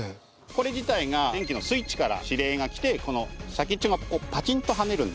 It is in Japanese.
これ自体が電気のスイッチから指令が来てこの先っちょがこうパチンと跳ねるんですよね。